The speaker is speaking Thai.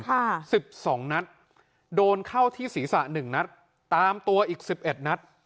ค่ะสิบสองนัดโดนเข้าที่ศีรษะหนึ่งนัดตามตัวอีกสิบเอ็ดนัด